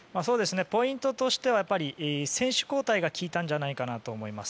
ポイントとしては選手交代が効いたんじゃないかなと思います。